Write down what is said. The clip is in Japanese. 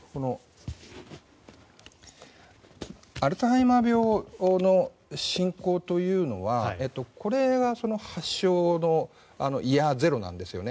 アルツハイマー病の進行というのはこれは発症のゼロなんですよね。